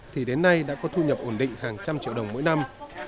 thì đến nay đã có thu nhập ổn định hàng trăm triệu đồng mỗi năm